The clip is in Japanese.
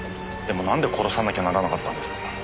でもなんで殺さなきゃならなかったんです？